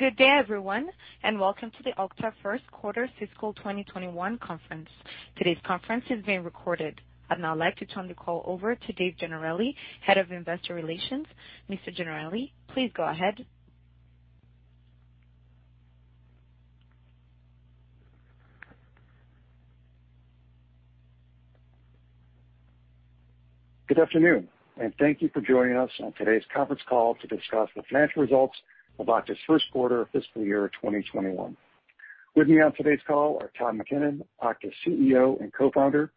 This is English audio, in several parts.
Good day, everyone, and welcome to the Okta first quarter fiscal 2021 conference. Today's conference is being recorded. I'd now like to turn the call over to Dave Gennarelli, Head of Investor Relations. Mr. Gennarelli, please go ahead. Good afternoon, and thank you for joining us on today's conference call to discuss the financial results of Okta's first quarter fiscal year 2021. With me on today's call are Todd McKinnon, Okta's CEO and Co-Founder,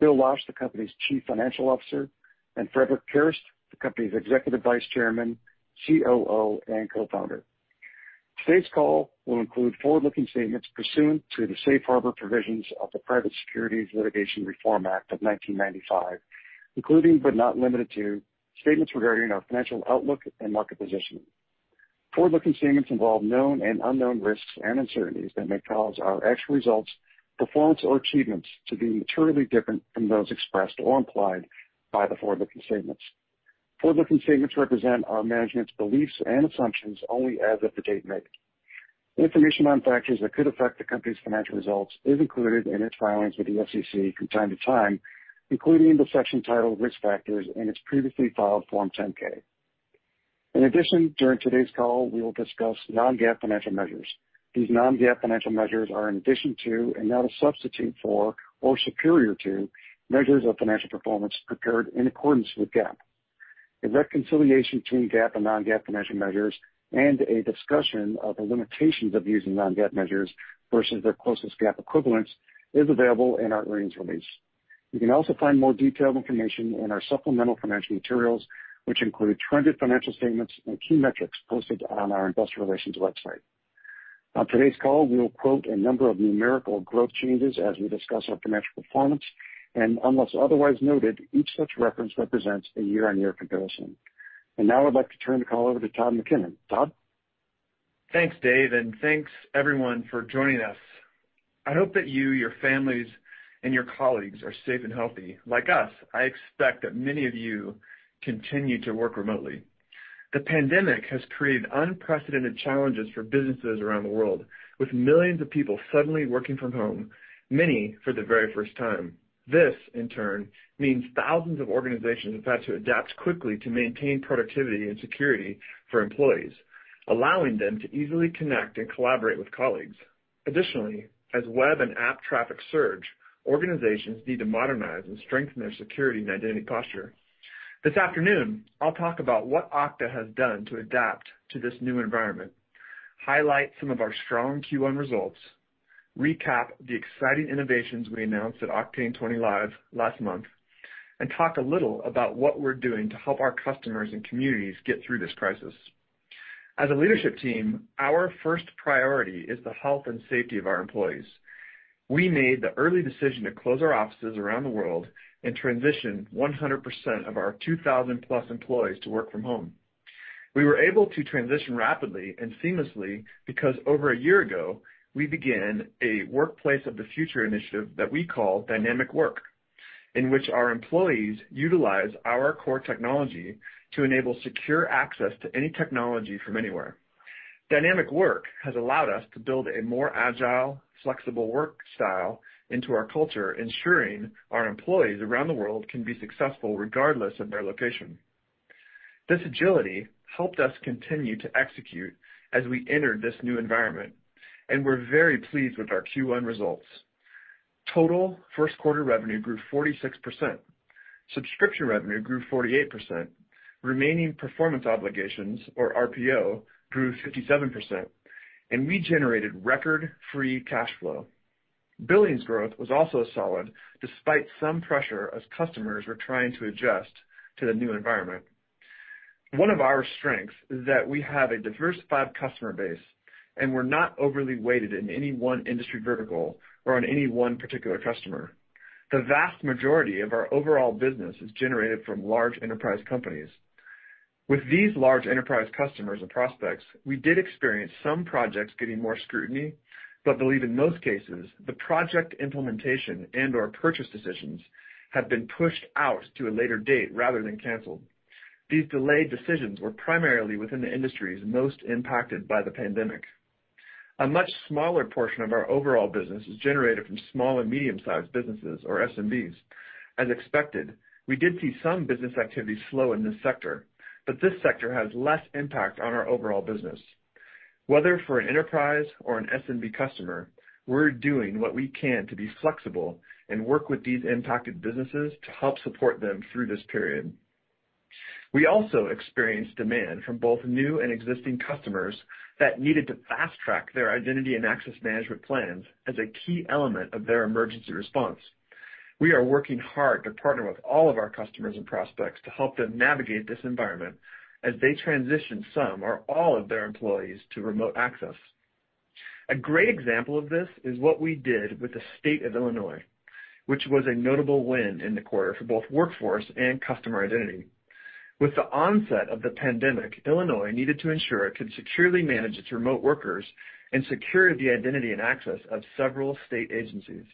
Bill Losch, the company's Chief Financial Officer, and Frederic Kerrest, the company's Executive Vice Chairman, COO, and Co-Founder. Today's call will include forward-looking statements pursuant to the safe harbor provisions of the Private Securities Litigation Reform Act of 1995, including but not limited to statements regarding our financial outlook and market position. Forward-looking statements involve known and unknown risks and uncertainties that may cause our actual results, performance, or achievements to be materially different from those expressed or implied by the forward-looking statements. Forward-looking statements represent our management's beliefs and assumptions only as of the date made. Information on factors that could affect the company's financial results is included in its filings with the SEC from time - time, including the section titled Risk Factors in its previously filed Form 10-K. In addition, during today's call, we will discuss Non-GAAP financial measures. These Non-GAAP financial measures are in addition to and not a substitute for or superior to measures of financial performance prepared in accordance with GAAP. A reconciliation between GAAP and Non-GAAP financial measures and a discussion of the limitations of using Non-GAAP measures versus their closest GAAP equivalents is available in our earnings release. You can also find more detailed information in our supplemental financial materials, which include trended financial statements and key metrics posted on our investor relations website. On today's call, we will quote a number of numerical growth changes as we discuss our financial performance, and unless otherwise noted, each such reference represents a year-on-year comparison. Now I'd like to turn the call over to Todd McKinnon. Todd? Thanks, Dave, thanks, everyone, for joining us. I hope that you, your families, and your colleagues are safe and healthy. Like us, I expect that many of you continue to work remotely. The pandemic has created unprecedented challenges for businesses around the world, with millions of people suddenly working from home, many for the very first time. This, in turn, means thousands of organizations have had to adapt quickly to maintain productivity and security for employees, allowing them to easily connect and collaborate with colleagues. Additionally, as web and app traffic surge, organizations need to modernize and strengthen their security and identity posture. This afternoon, I'll talk about what Okta has done to adapt to this new environment, highlight some of our strong Q1 results, recap the exciting innovations we announced at Oktane20 Live last month, and talk a little about what we're doing to help our customers and communities get through this crisis. As a leadership team, our first priority is the health and safety of our employees. We made the early decision to close our offices around the world and transition 100% of our 2,000+ employees to work from home. We were able to transition rapidly and seamlessly because over a year ago, we began a workplace of the future initiative that we call Dynamic Work, in which our employees utilize our core technology to enable secure access to any technology from anywhere. Dynamic Work has allowed us to build a more agile, flexible work style into our culture, ensuring our employees around the world can be successful regardless of their location. This agility helped us continue to execute as we entered this new environment, and we're very pleased with our Q1 results. Total first quarter revenue grew 46%. Subscription revenue grew 48%. Remaining performance obligations, or RPO, grew 57%, and we generated record free cash flow. Billings growth was also solid, despite some pressure as customers were trying to adjust to the new environment. One of our strengths is that we have a diversified customer base, and we're not overly weighted in any one industry vertical or on any one particular customer. The vast majority of our overall business is generated from large enterprise companies. With these large enterprise customers and prospects, we did experience some projects getting more scrutiny, but believe in most cases, the project implementation and/or purchase decisions have been pushed out to a later date rather than canceled. These delayed decisions were primarily within the industries most impacted by the pandemic. A much smaller portion of our overall business is generated from small and medium-sized businesses or SMBs. As expected, we did see some business activity slow in this sector, but this sector has less impact on our overall business. Whether for an enterprise or an SMB customer, we're doing what we can to be flexible and work with these impacted businesses to help support them through this period. We also experienced demand from both new and existing customers that needed to fast-track their identity and access management plans as a key element of their emergency response. We are working hard to partner with all of our customers and prospects to help them navigate this environment as they transition some or all of their employees to remote access. A great example of this is what we did with the state of Illinois, which was a notable win in the quarter for both workforce and customer identity. With the onset of the pandemic, Illinois needed to ensure it could securely manage its remote workers and secure the identity and access of several state agencies.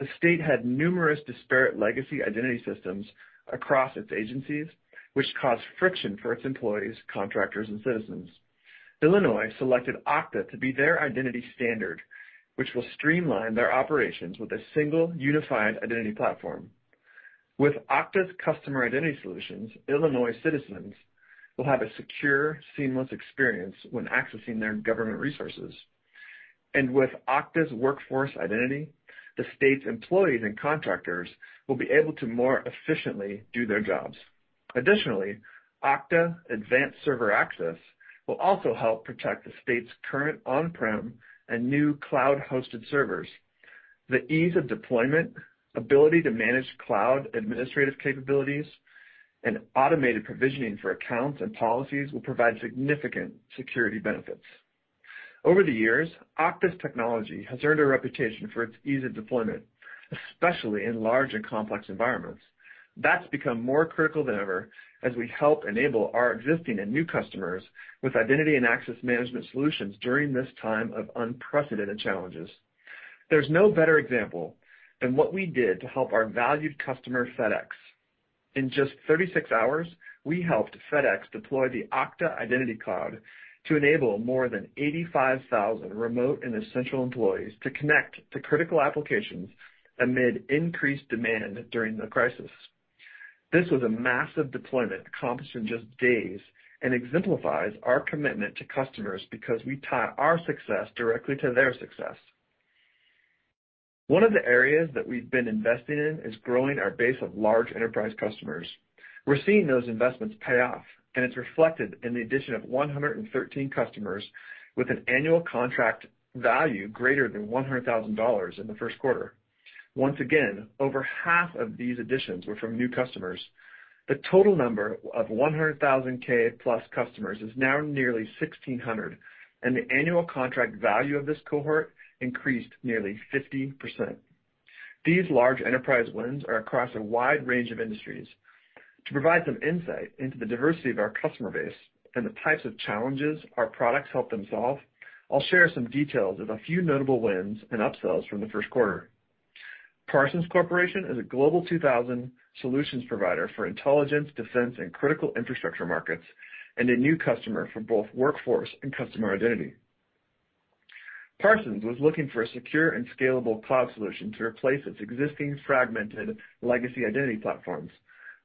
The state had numerous disparate legacy identity systems across its agencies, which caused friction for its employees, contractors, and citizens. Illinois selected Okta to be their identity standard, which will streamline their operations with a single, unified identity platform. With Okta's customer identity solutions, Illinois citizens will have a secure, seamless experience when accessing their government resources. With Okta's workforce identity, the state's employees and contractors will be able to more efficiently do their jobs. Additionally, Okta Advanced Server Access will also help protect the state's current on-prem and new cloud-hosted servers. The ease of deployment, ability to manage cloud administrative capabilities, and automated provisioning for accounts and policies will provide significant security benefits. Over the years, Okta's technology has earned a reputation for its ease of deployment, especially in large and complex environments. That's become more critical than ever as we help enable our existing and new customers with identity and access management solutions during this time of unprecedented challenges. There's no better example than what we did to help our valued customer, FedEx. In just 36 hours, we helped FedEx deploy the Okta Identity Cloud to enable more than 85,000 remote and essential employees to connect to critical applications amid increased demand during the crisis. This was a massive deployment accomplished in just days and exemplifies our commitment to customers because we tie our success directly to their success. One of the areas that we've been investing in is growing our base of large enterprise customers. We're seeing those investments pay off, and it's reflected in the addition of 113 customers with an annual contract value greater than $100,000 in the first quarter. Once again, over half of these additions were from new customers. The total number of $100,000+ customers is now nearly 1,600, and the annual contract value of this cohort increased nearly 50%. These large enterprise wins are across a wide range of industries. To provide some insight into the diversity of our customer base and the types of challenges our products help them solve, I'll share some details of a few notable wins and upsells from the first quarter. Parsons Corporation is a Global 2000 solutions provider for intelligence, defense, and critical infrastructure markets, and a new customer for both workforce and customer identity. Parsons was looking for a secure and scalable cloud solution to replace its existing fragmented legacy identity platforms.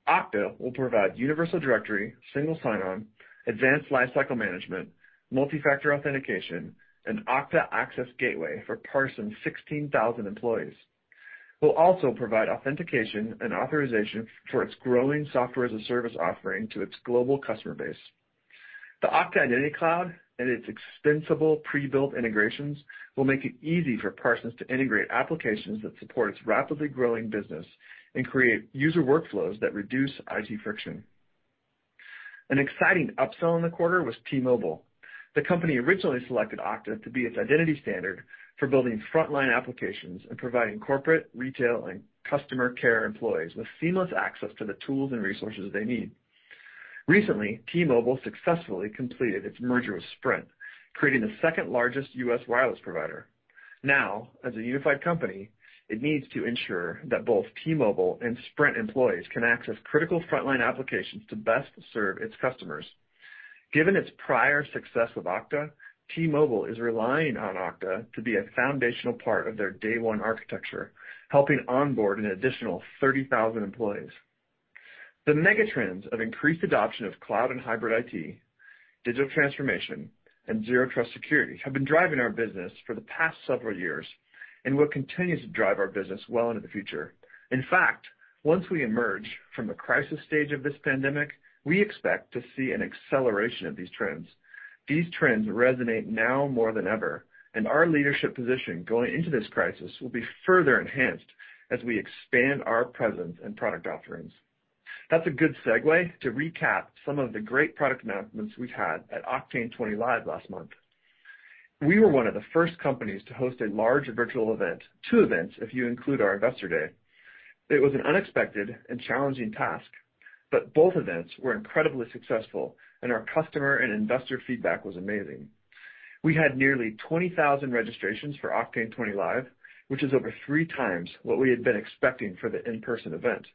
Okta will provide Universal Directory, Single Sign-On, Advanced Lifecycle Management, Multi-Factor Authentication, and Okta Access Gateway for Parsons' 16,000 employees. We'll also provide authentication and authorization for its growing software-as-a-service offering to its global customer base. The Okta Identity Cloud and its extensible pre-built integrations will make it easy for Parsons to integrate applications that support its rapidly growing business and create user workflows that reduce IT friction. An exciting upsell in the quarter was T-Mobile. The company originally selected Okta to be its identity standard for building frontline applications and providing corporate, retail, and customer care employees with seamless access to the tools and resources they need. Recently, T-Mobile successfully completed its merger with Sprint, creating the second-largest U.S. wireless provider. As a unified company, it needs to ensure that both T-Mobile and Sprint employees can access critical frontline applications to best serve its customers. Given its prior success with Okta, T-Mobile is relying on Okta to be a foundational part of their day one architecture, helping onboard an additional 30,000 employees. The mega trends of increased adoption of cloud and hybrid IT, digital transformation, and zero trust security have been driving our business for the past several years and will continue to drive our business well into the future. In fact, once we emerge from the crisis stage of this pandemic, we expect to see an acceleration of these trends. These trends resonate now more than ever, and our leadership position going into this crisis will be further enhanced as we expand our presence and product offerings. That's a good segue to recap some of the great product announcements we've had at Oktane20 Live last month. We were one of the first companies to host a large virtual event, two events, if you include our Investor Day. It was an unexpected and challenging task, but both events were incredibly successful, and our customer and investor feedback was amazing. We had nearly 20,000 registrations for Oktane20 Live, which is over 3x what we had been expecting for the in-person event.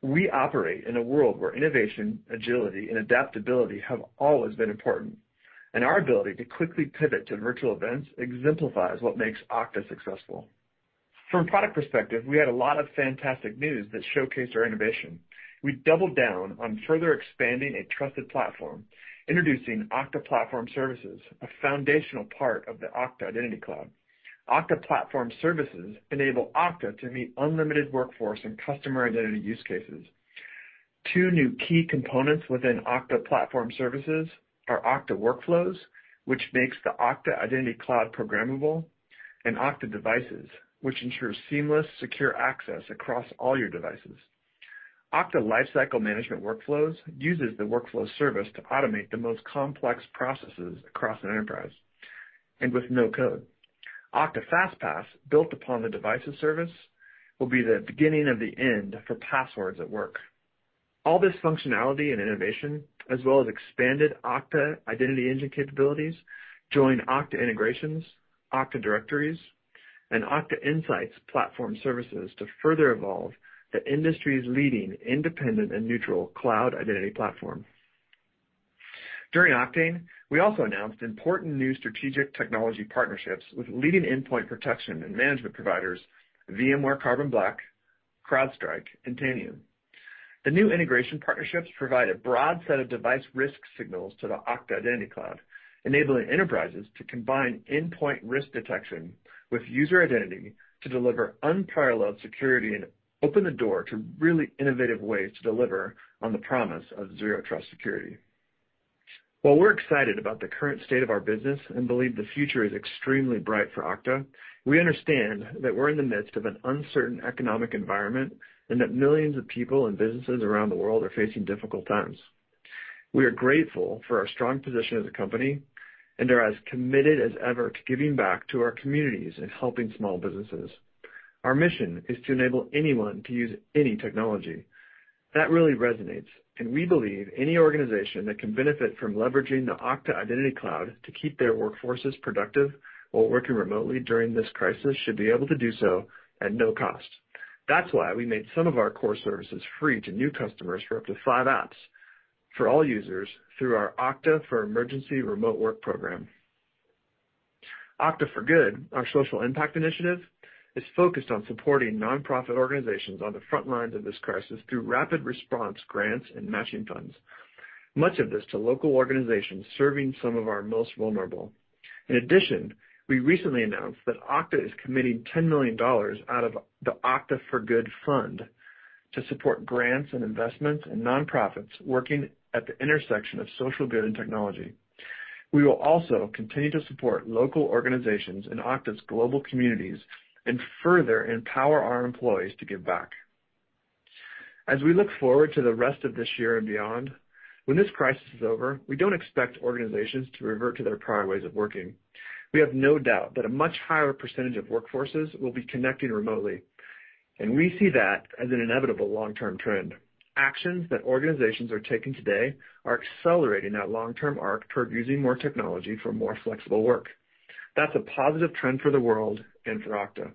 We operate in a world where innovation, agility, and adaptability have always been important, and our ability to quickly pivot to virtual events exemplifies what makes Okta successful. From product perspective, we had a lot of fantastic news that showcased our innovation. We doubled down on further expanding a trusted platform, introducing Okta Platform Services, a foundational part of the Okta Identity Cloud. Okta Platform Services enable Okta to meet unlimited workforce and customer identity use cases. Two new key components within Okta Platform Services are Okta Workflows, which makes the Okta Identity Cloud programmable, and Okta Devices, which ensures seamless, secure access across all your devices. Okta Lifecycle Management Workflows uses the workflow service to automate the most complex processes across an enterprise and with no code. Okta FastPass, built upon the devices service, will be the beginning of the end for passwords at work. All this functionality and innovation, as well as expanded Okta Identity Engine capabilities, join Okta Integrations, Okta Directories, and Okta Insights platform services to further evolve the industry's leading independent and neutral cloud identity platform. During Oktane, we also announced important new strategic technology partnerships with leading endpoint protection and management providers VMware Carbon Black, CrowdStrike, and Tanium. The new integration partnerships provide a broad set of device risk signals to the Okta Identity Cloud, enabling enterprises to combine endpoint risk detection with user identity to deliver unparalleled security and open the door to really innovative ways to deliver on the promise of zero trust security. While we're excited about the current state of our business and believe the future is extremely bright for Okta, we understand that we're in the midst of an uncertain economic environment, and that millions of people and businesses around the world are facing difficult times. We are grateful for our strong position as a company and are as committed as ever to giving back to our communities and helping small businesses. Our mission is to enable anyone to use any technology. That really resonates, and we believe any organization that can benefit from leveraging the Okta Identity Cloud to keep their workforces productive while working remotely during this crisis should be able to do so at no cost. That's why we made some of our core services free to new customers for up to five apps for all users through our Okta for Emergency Remote Work program. Okta for Good, our social impact initiative, is focused on supporting nonprofit organizations on the front lines of this crisis through rapid response grants and matching funds, much of this to local organizations serving some of our most vulnerable. In addition, we recently announced that Okta is committing $10 million out of the Okta for Good fund to support grants and investments in nonprofits working at the intersection of social good and technology. We will also continue to support local organizations in Okta's global communities and further empower our employees to give back. As we look forward to the rest of this year and beyond, when this crisis is over, we don't expect organizations to revert to their prior ways of working. We have no doubt that a much higher percentage of workforces will be connecting remotely, and we see that as an inevitable long-term trend. Actions that organizations are taking today are accelerating that long-term arc toward using more technology for more flexible work. That's a positive trend for the world and for Okta.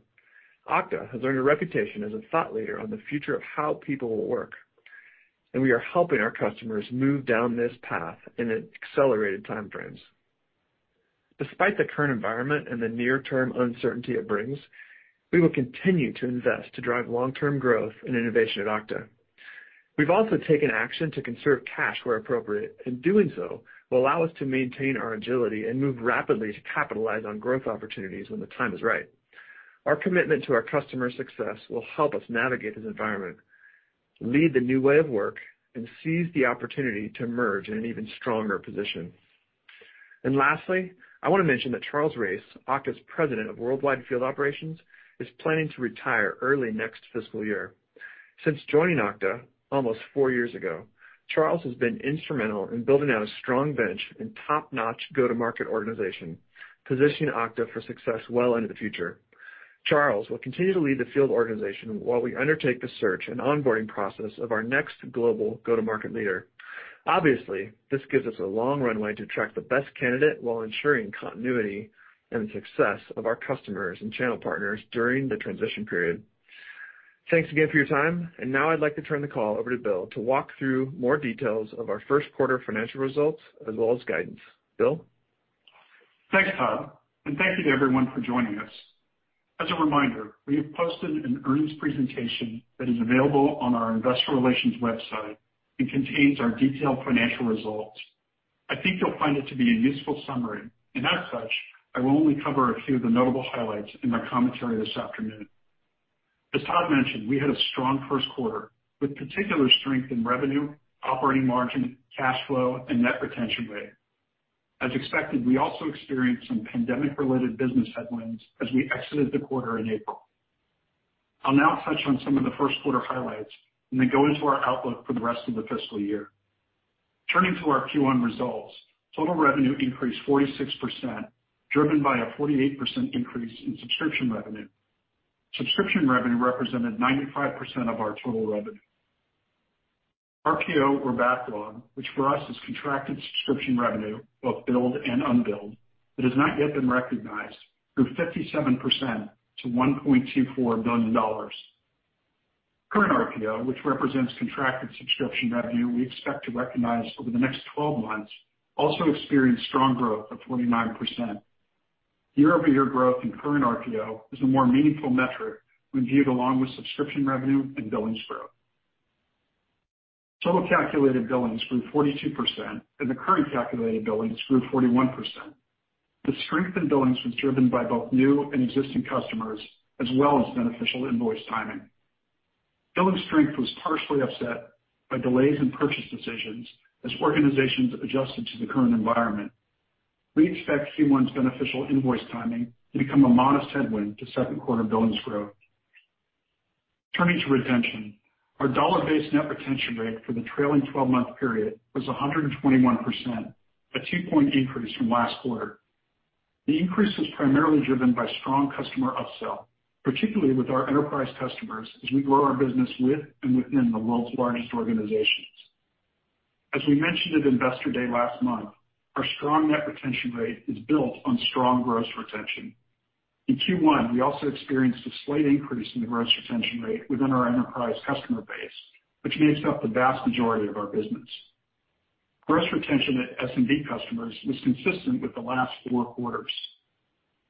Okta has earned a reputation as a thought leader on the future of how people will work, and we are helping our customers move down this path in accelerated timeframes. Despite the current environment and the near-term uncertainty it brings, we will continue to invest to drive long-term growth and innovation at Okta. We've also taken action to conserve cash where appropriate, and doing so will allow us to maintain our agility and move rapidly to capitalize on growth opportunities when the time is right. Our commitment to our customers' success will help us navigate this environment, lead the new way of work, and seize the opportunity to emerge in an even stronger position. Lastly, I want to mention that Charles Race, Okta's President of Worldwide Field Operations, is planning to retire early next fiscal year. Since joining Okta almost four years ago, Charles has been instrumental in building out a strong bench and top-notch go-to-market organization, positioning Okta for success well into the future. Charles will continue to lead the field organization while we undertake the search and onboarding process of our next global go-to-market leader. Obviously, this gives us a long runway to attract the best candidate while ensuring continuity and success of our customers and channel partners during the transition period. Thanks again for your time. Now I'd like to turn the call over to Bill to walk through more details of our first quarter financial results as well as guidance. Bill? Thanks, Todd, and thank you to everyone for joining us. As a reminder, we have posted an earnings presentation that is available on our investor relations website and contains our detailed financial results. I think you'll find it to be a useful summary, and as such, I will only cover a few of the notable highlights in my commentary this afternoon. As Todd mentioned, we had a strong first quarter with particular strength in revenue, operating margin, cash flow, and net retention rate. As expected, we also experienced some pandemic-related business headwinds as we exited the quarter in April. I'll now touch on some of the first quarter highlights, and then go into our outlook for the rest of the fiscal year. Turning to our Q1 results, total revenue increased 46%, driven by a 48% increase in subscription revenue. Subscription revenue represented 95% of our total revenue. RPO or backlog, which for us is contracted subscription revenue, both billed and unbilled, that has not yet been recognized, grew 57% - $1.24 billion. Current RPO, which represents contracted subscription revenue we expect to recognize over the next 12 months, also experienced strong growth of 29%. year-over-year growth in current RPO is a more meaningful metric when viewed along with subscription revenue and billings growth. Total calculated billings grew 42%, and the current calculated billings grew 41%. The strength in billings was driven by both new and existing customers, as well as beneficial invoice timing. Billings strength was partially offset by delays in purchase decisions as organizations adjusted to the current environment. We expect Q1's beneficial invoice timing to become a modest headwind to second quarter billings growth. Turning to retention, our dollar-based net retention rate for the trailing 12-month period was 121%, a two-point increase from last quarter. The increase is primarily driven by strong customer upsell, particularly with our enterprise customers as we grow our business with and within the world's largest organizations. As we mentioned at Investor Day last month, our strong net retention rate is built on strong gross retention. In Q1, we also experienced a slight increase in the gross retention rate within our enterprise customer base, which makes up the vast majority of our business. Gross retention at SMB customers was consistent with the last four quarters.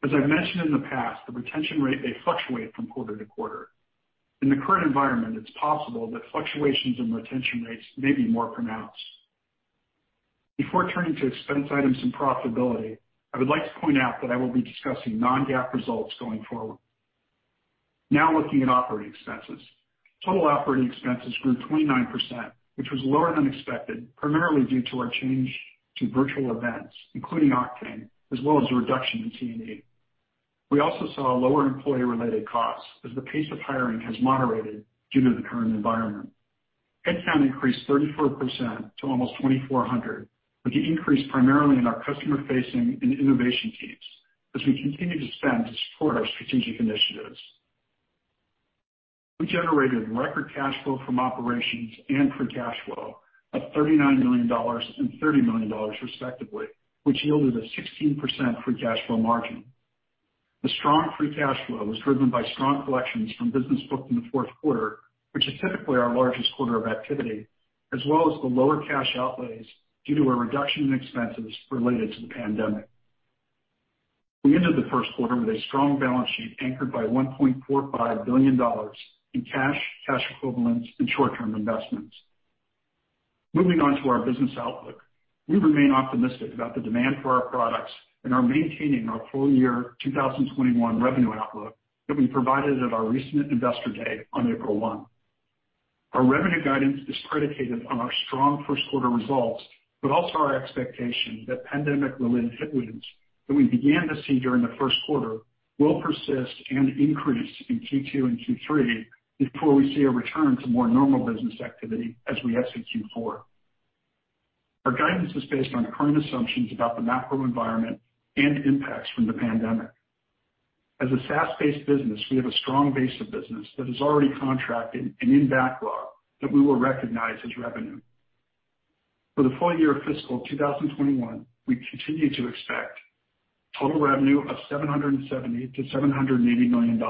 As I've mentioned in the past, the retention rate may fluctuate from quarter to quarter. In the current environment, it's possible that fluctuations in retention rates may be more pronounced. Before turning to expense items and profitability, I would like to point out that I will be discussing Non-GAAP results going forward. Now looking at operating expenses. Total operating expenses grew 29%, which was lower than expected, primarily due to our change to virtual events, including Oktane, as well as a reduction in T&E. We also saw lower employee-related costs as the pace of hiring has moderated due to the current environment. Headcount increased 34% to almost 2,400, with the increase primarily in our customer-facing and innovation teams as we continue to spend to support our strategic initiatives. We generated record cash flow from operations and free cash flow of $39 million and $30 million respectively, which yielded a 16% free cash flow margin. The strong free cash flow was driven by strong collections from business booked in the fourth quarter, which is typically our largest quarter of activity, as well as the lower cash outlays due to a reduction in expenses related to the pandemic. We ended the first quarter with a strong balance sheet anchored by $1.45 billion in cash equivalents, and short-term investments. Moving on to our business outlook. We remain optimistic about the demand for our products and are maintaining our full year 2021 revenue outlook that we provided at our recent Investor Day on April 1. Also our expectation that pandemic-related headwinds that we began to see during the first quarter will persist and increase in Q2 and Q3 before we see a return to more normal business activity as we execute forward. Our guidance is based on current assumptions about the macro environment and impacts from the pandemic. As a SaaS-based business, we have a strong base of business that is already contracted and in backlog that we will recognize as revenue. For the full year of fiscal 2021, we continue to expect total revenue of $770 million-$780 million,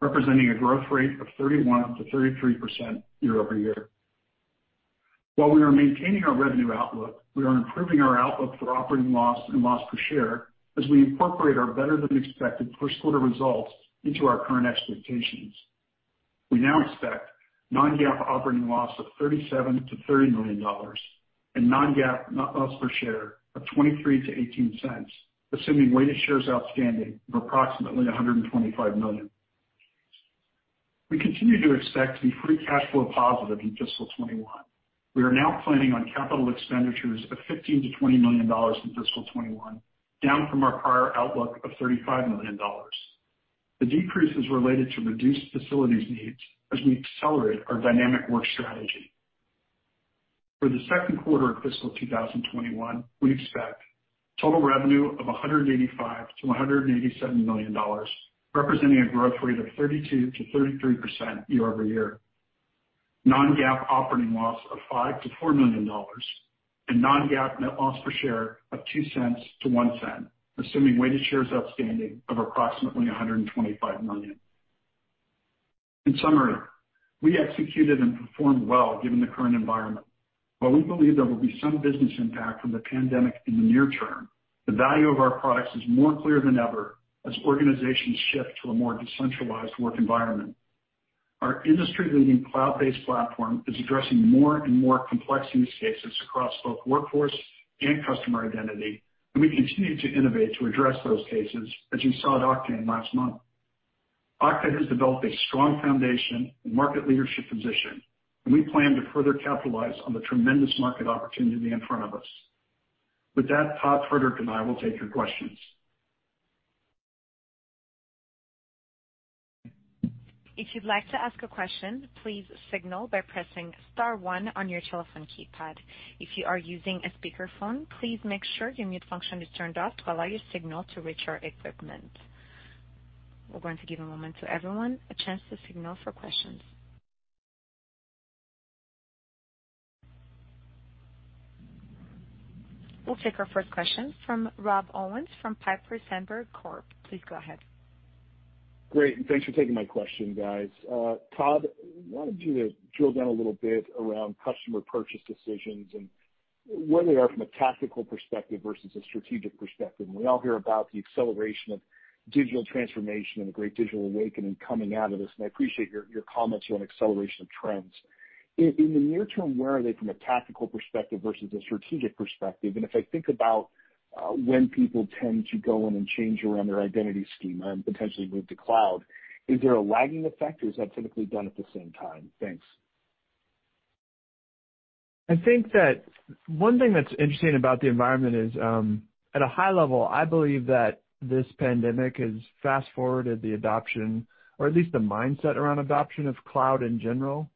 representing a growth rate of 31%-33% year-over-year. While we are maintaining our revenue outlook, we are improving our outlook for operating loss and loss per share as we incorporate our better-than-expected first quarter results into our current expectations. We now expect Non-GAAP operating loss of $37 million-$30 million and Non-GAAP net loss per share of $0.23-$0.18, assuming weighted shares outstanding of approximately 125 million. We continue to expect to be free cash flow positive in fiscal 2021. We are now planning on capital expenditures of $15 million-$20 million in fiscal 2021, down from our prior outlook of $35 million. The decrease is related to reduced facilities needs as we accelerate our Dynamic Work strategy. For the second quarter of fiscal 2021, we expect total revenue of $185 million-$187 million, representing a growth rate of 32%-33% year-over-year, Non-GAAP operating loss of $5 million-$4 million, and Non-GAAP net loss per share of $0.02-$0.01, assuming weighted shares outstanding of approximately 125 million. In summary, we executed and performed well given the current environment. While we believe there will be some business impact from the pandemic in the near term, the value of our products is more clear than ever as organizations shift to a more decentralized work environment. Our industry-leading cloud-based platform is addressing more and more complex use cases across both workforce and customer identity. We continue to innovate to address those cases, as you saw at Oktane last month. Okta has developed a strong foundation and market leadership position. We plan to further capitalize on the tremendous market opportunity in front of us. With that, Todd, Frederic, and I will take your questions. If you'd like to ask a question, please signal by pressing *one on your telephone keypad. If you are using a speakerphone, please make sure your mute function is turned off to allow your signal to reach our equipment. We're going to give a moment to everyone, a chance to signal for questions. We'll take our first question from Rob Owens from Piper Sandler Companies. Please go ahead. Great, thanks for taking my question, guys. Todd, I wanted you to drill down a little bit around customer purchase decisions and where they are from a tactical perspective versus a strategic perspective. We all hear about the acceleration of digital transformation and the great digital awakening coming out of this, and I appreciate your comments around acceleration of trends. In the near term, where are they from a tactical perspective versus a strategic perspective? If I think about when people tend to go in and change around their identity scheme and potentially move to cloud, is there a lagging effect, or is that typically done at the same time? Thanks. I think that one thing that's interesting about the environment is, at a high level, I believe that this pandemic has fast-forwarded the adoption or at least the mindset around adoption of cloud in general.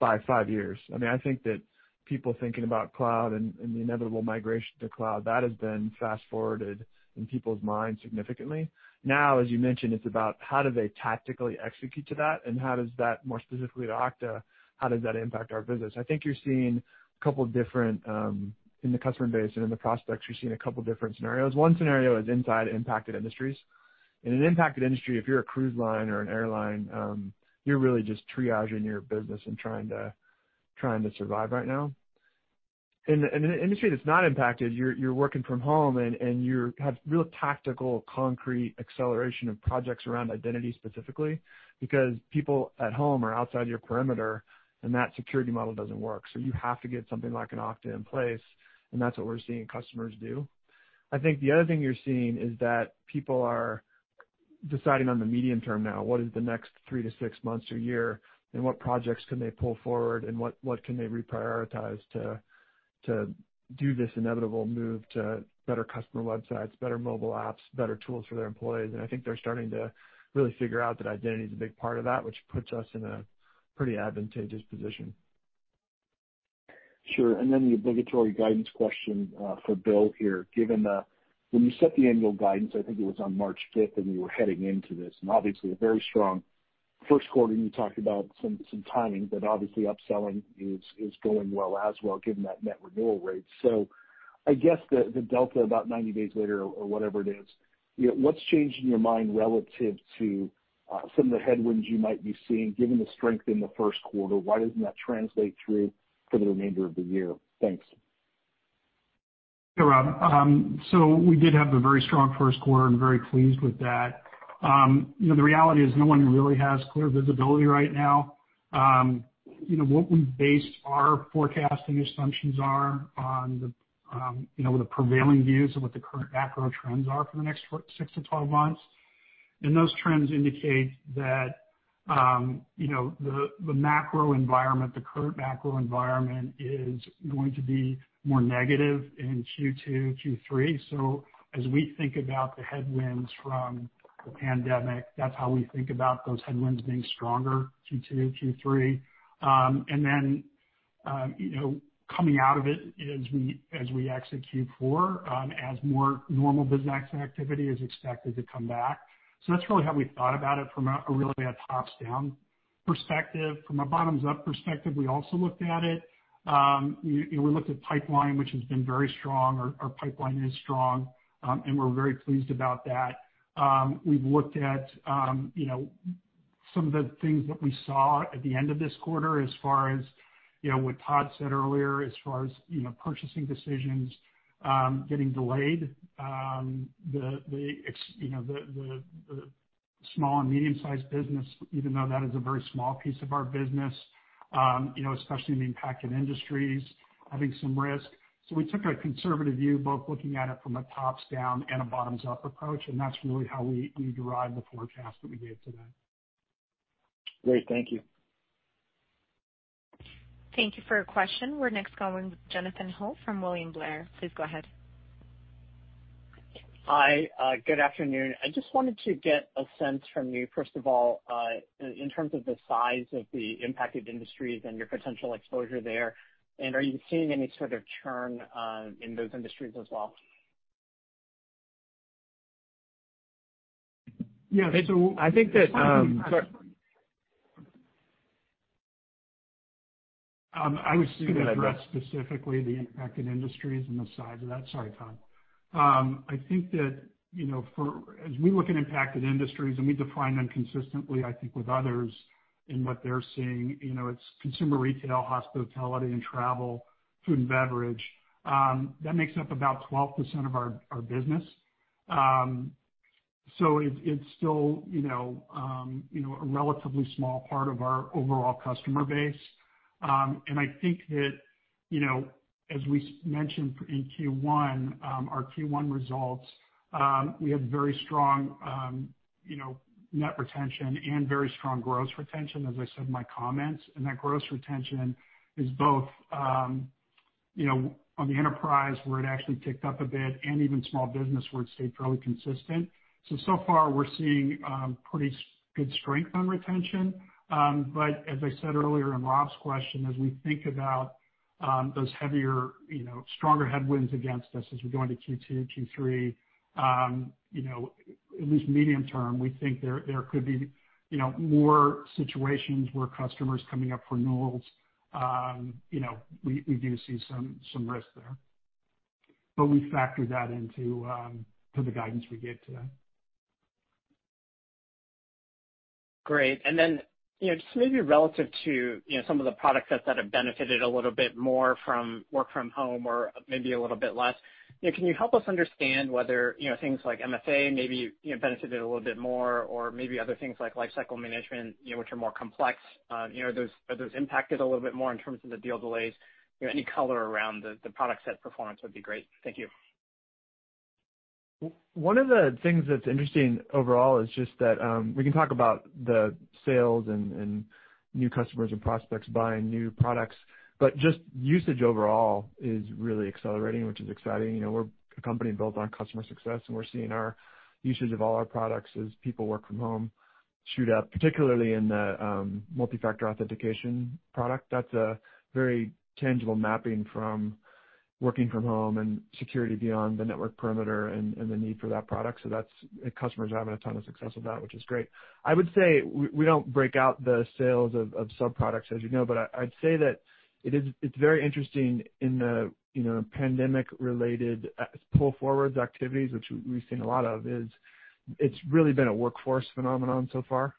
By five years. I think that people thinking about cloud and the inevitable migration to cloud, that has been fast-forwarded in people's minds significantly. Now, as you mentioned, it's about how do they tactically execute to that, and how does that, more specifically to Okta, how does that impact our business? I think you're seeing, in the customer base and in the prospects, you're seeing a couple different scenarios. One scenario is inside impacted industries. In an impacted industry, if you're a cruise line or an airline, you're really just triaging your business and trying to survive right now. In an industry that's not impacted, you're working from home, and you have real tactical, concrete acceleration of projects around identity specifically, because people at home are outside your perimeter, and that security model doesn't work. You have to get something like an Okta in place, and that's what we're seeing customers do. I think the other thing you're seeing is that people are deciding on the medium term now. What is the next three to six months or year, and what projects can they pull forward, and what can they reprioritize to do this inevitable move to better customer websites, better mobile apps, better tools for their employees. I think they're starting to really figure out that identity is a big part of that, which puts us in a pretty advantageous position. Sure. The obligatory guidance question for Bill here. When you set the annual guidance, I think it was on March 5th when we were heading into this, and obviously a very strong first quarter. You talked about some timing, obviously upselling is going well as well, given that net renewal rate. I guess the delta about 90 days later, or whatever it is, what's changed in your mind relative to some of the headwinds you might be seeing? Given the strength in the first quarter, why doesn't that translate through for the remainder of the year? Thanks. Yeah, Rob. We did have a very strong first quarter and very pleased with that. The reality is no one really has clear visibility right now. What we based our forecasting assumptions are on the prevailing views of what the current macro trends are for the next six months -12 months. Those trends indicate that the current macro environment is going to be more negative in Q2, Q3. Coming out of it as we exit Q4, as more normal business activity is expected to come back. That's really how we thought about it from a tops-down perspective. From a bottoms-up perspective, we also looked at it. We looked at pipeline, which has been very strong. Our pipeline is strong. We're very pleased about that. We've looked at some of the things that we saw at the end of this quarter as far as what Todd said earlier, as far as purchasing decisions getting delayed. The small and medium-sized business, even though that is a very small piece of our business, especially in the impacted industries, having some risk. We took a conservative view, both looking at it from a tops-down and a bottoms-up approach, and that's really how we derived the forecast that we gave today. Great. Thank you. Thank you for your question. We're next going with Jonathan Ho from William Blair. Please go ahead. Hi. Good afternoon. I just wanted to get a sense from you, first of all, in terms of the size of the impacted industries and your potential exposure there, and are you seeing any sort of churn in those industries as well? Yeah. I was going to address specifically the impacted industries and the size of that. Sorry, Todd. I think that as we look at impacted industries, and we define them consistently, I think, with others in what they're seeing, it's consumer retail, hospitality and travel, food and beverage. That makes up about 12% of our business. It's still a relatively small part of our overall customer base. I think that as we mentioned in Q1, our Q1 results, we have very strong net retention and very strong gross retention, as I said in my comments. That gross retention is both on the enterprise where it actually ticked up a bit and even small business where it stayed fairly consistent. So far we're seeing pretty good strength on retention. As I said earlier in Rob's question, as we think about those heavier, stronger headwinds against us as we go into Q2, Q3, at least medium term, we think there could be more situations where customers coming up for renewals. We do see some risk there. We factored that into the guidance we gave today. Great. Just maybe relative to some of the product sets that have benefited a little bit more from work from home or maybe a little bit less, can you help us understand whether things like MFA maybe benefited a little bit more or maybe other things like lifecycle management, which are more complex, are those impacted a little bit more in terms of the deal delays? Any color around the product set performance would be great. Thank you. One of the things that's interesting overall is just that we can talk about the sales and new customers and prospects buying new products, just usage overall is really accelerating, which is exciting. We're a company built on customer success, we're seeing our usage of all our products as people work from home shoot up, particularly in the Multi-Factor Authentication product. That's a very tangible mapping from working from home and security beyond the network perimeter and the need for that product. Customers are having a ton of success with that, which is great. I would say we don't break out the sales of sub-products, as you know, I'd say that it's very interesting in the pandemic-related pull forward activities, which we've seen a lot of, is it's really been a workforce phenomenon so far.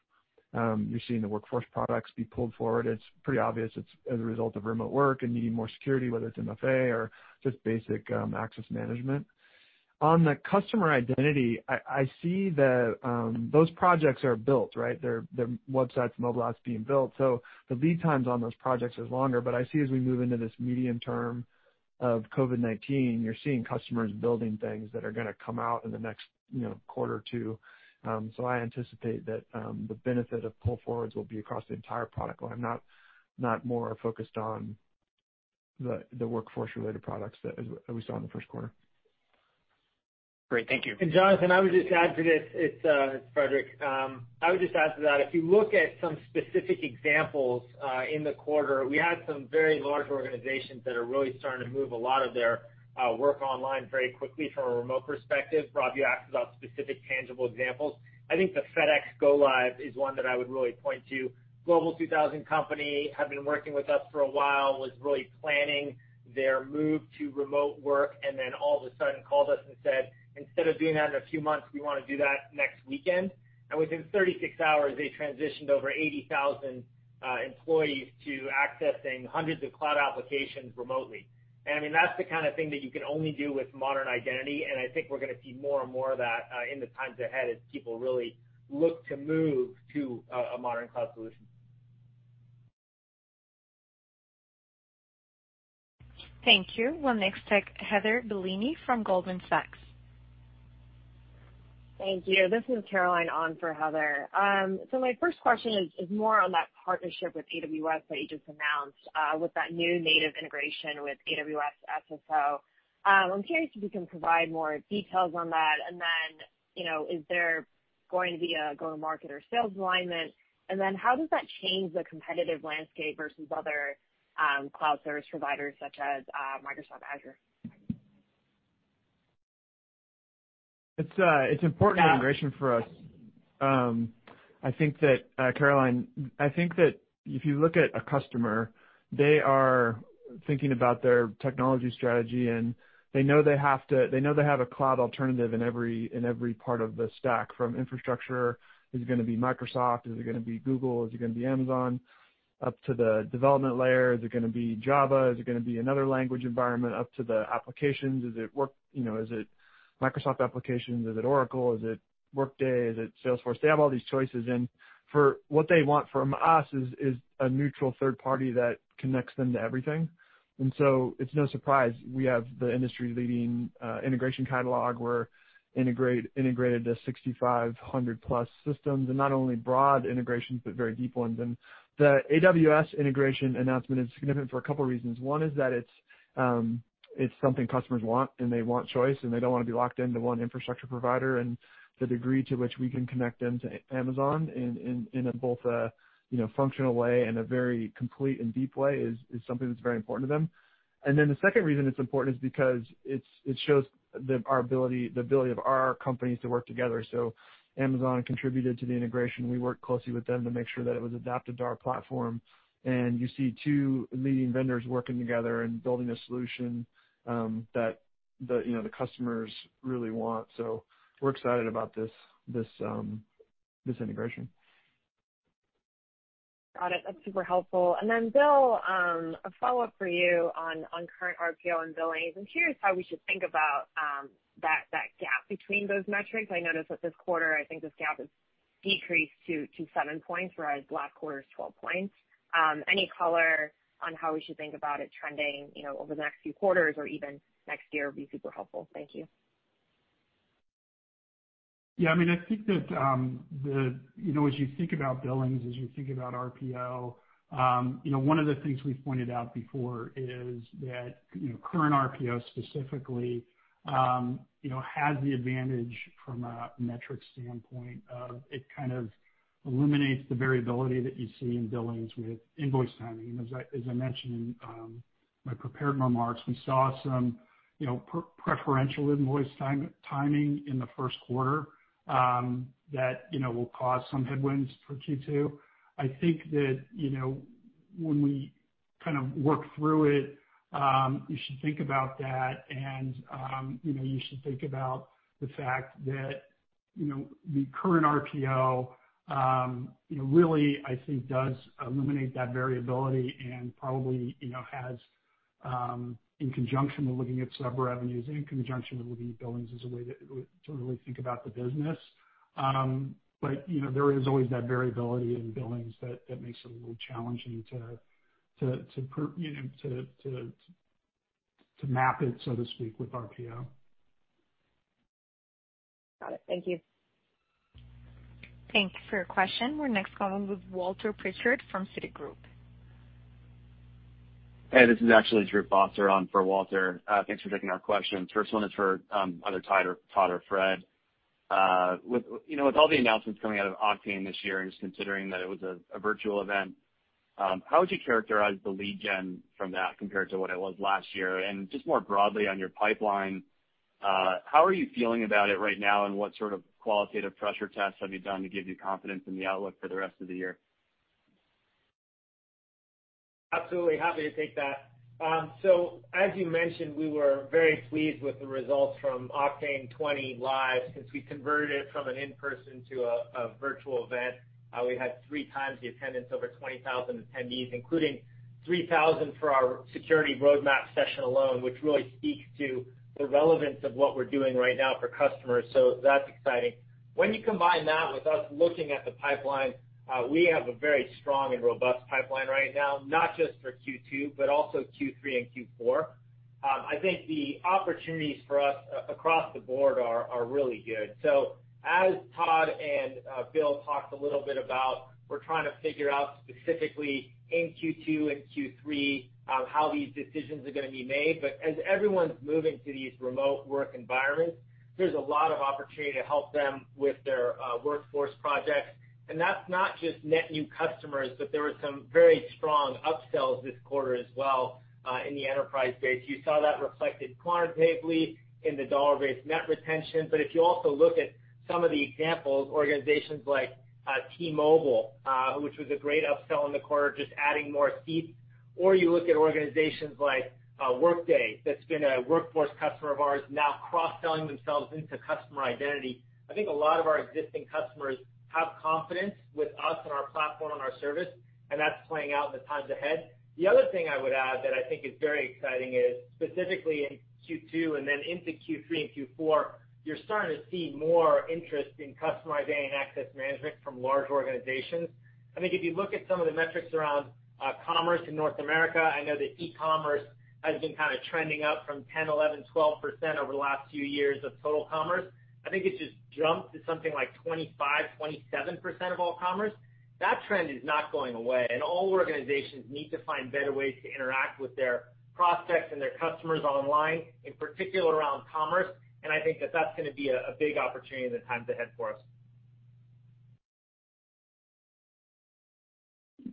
You're seeing the workforce products be pulled forward. It's pretty obvious it's as a result of remote work and needing more security, whether it's MFA or just basic access management. On the customer identity, I see that those projects are built, right? They're websites, mobile apps being built. The lead times on those projects is longer. I see as we move into this medium term of COVID-19, you're seeing customers building things that are going to come out in the next quarter or two. I anticipate that the benefit of pull forwards will be across the entire product line, not more focused on the workforce-related products that we saw in the first quarter. Great. Thank you. Jonathan, I would just add to this. It's Frederic. I would just add to that, if you look at some specific examples in the quarter, we had some very large organizations that are really starting to move a lot of their work online very quickly from a remote perspective. Rob, you asked about specific tangible examples. I think the FedEx go live is one that I would really point to. Global 2000 company, have been working with us for a while, was really planning their move to remote work, and then all of a sudden called us and said, "Instead of doing that in a few months, we want to do that next weekend." Within 36 hours, they transitioned over 80,000 employees to accessing hundreds of cloud applications remotely. I mean, that's the kind of thing that you can only do with modern identity, and I think we're going to see more and more of that in the times ahead as people really look to move to a modern cloud solution. Thank you. We'll next take Heather Bellini from Goldman Sachs. Thank you. This is Caroline on for Heather. My first question is more on that partnership with AWS that you just announced, with that new native integration with AWS SSO. I'm curious if you can provide more details on that. Is there going to be a go-to-market or sales alignment? How does that change the competitive landscape versus other cloud service providers such as Microsoft Azure? It's an important integration for us. Caroline, I think that if you look at a customer, they are thinking about their technology strategy, and they know they have a cloud alternative in every part of the stack. From infrastructure, is it going to be Microsoft? Is it going to be Google? Is it going to be Amazon? Up to the development layer, is it going to be Java? Is it going to be another language environment? Up to the applications, is it Microsoft applications? Is it Oracle? Is it Workday? Is it Salesforce? They have all these choices, and what they want from us is a neutral third party that connects them to everything. It's no surprise we have the industry-leading integration catalog. We're integrated to 6,500+ systems, and not only broad integrations, but very deep ones. The AWS integration announcement is significant for a couple of reasons. One is that it's something customers want, and they want choice, and they don't want to be locked into one infrastructure provider. The degree to which we can connect them to Amazon in both a functional way and a very complete and deep way is something that's very important to them. The second reason it's important is because it shows the ability of our companies to work together. Amazon contributed to the integration. We worked closely with them to make sure that it was adapted to our platform. You see two leading vendors working together and building a solution that the customers really want. We're excited about this integration. Got it. That's super helpful. Then Bill, a follow-up for you on current RPO and billings. I'm curious how we should think about that gap between those metrics. I noticed that this quarter, I think this gap has decreased to seven points, whereas last quarter it was 12 points. Any color on how we should think about it trending over the next few quarters or even next year would be super helpful. Thank you. I think that as you think about billings, as you think about RPO, one of the things we've pointed out before is that current RPO specifically has the advantage from a metrics standpoint of it kind of eliminates the variability that you see in billings with invoice timing. As I mentioned in my prepared remarks, we saw some preferential invoice timing in the first quarter that will cause some headwinds for Q2. I think that when we work through it, you should think about that, and you should think about the fact that the current RPO really, I think, does eliminate that variability and probably has, in conjunction with looking at sub-revenues, in conjunction with looking at billings as a way to really think about the business. There is always that variability in billings that makes it a little challenging to map it, so to speak, with RPO. Got it. Thank you. Thank you for your question. We're next going with Walter Pritchard from Citigroup. Hey, this is actually Drew Foster on for Walter. Thanks for taking our question. First one is for either Todd or Fred. With all the announcements coming out of Oktane this year, and just considering that it was a virtual event, how would you characterize the lead gen from that compared to what it was last year? Just more broadly on your pipeline, how are you feeling about it right now, and what sort of qualitative pressure tests have you done to give you confidence in the outlook for the rest of the year? Absolutely happy to take that. As you mentioned, we were very pleased with the results from Oktane20 Live since we converted it from an in-person to a virtual event. We had three times the attendance, over 20,000 attendees, including 3,000 for our security roadmap session alone, which really speaks to the relevance of what we're doing right now for customers. That's exciting. When you combine that with us looking at the pipeline, we have a very strong and robust pipeline right now, not just for Q2, but also Q3 and Q4. I think the opportunities for us across the board are really good. As Todd and Bill talked a little bit about, we're trying to figure out specifically in Q2 and Q3 how these decisions are going to be made. As everyone's moving to these remote work environments, there's a lot of opportunity to help them with their workforce projects. That's not just net new customers, but there were some very strong upsells this quarter as well in the enterprise space. You saw that reflected quantitatively in the dollar-based net retention. If you also look at some of the examples, organizations like T-Mobile, which was a great upsell in the quarter, just adding more seats. You look at organizations like Workday, that's been a workforce customer of ours, now cross-selling themselves into customer identity. I think a lot of our existing customers have confidence with us and our platform and our service, and that's playing out in the times ahead. The other thing I would add that I think is very exciting is specifically in Q2 and then into Q3 and Q4, you're starting to see more interest in customer identity and access management from large organizations. I think if you look at some of the metrics around commerce in North America, I know that e-commerce has been trending up from 10%, 11%, 12% over the last few years of total commerce. I think it's just jumped to something like 25%, 27% of all commerce. That trend is not going away, and all organizations need to find better ways to interact with their prospects and their customers online, in particular around commerce. I think that that's going to be a big opportunity in the times ahead for us.